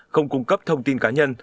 không cung cấp thông tin cá nhân